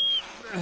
あ。